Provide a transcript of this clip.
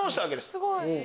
すごい！